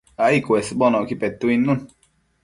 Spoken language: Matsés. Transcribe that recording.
ai cuesbonocqui petuidnun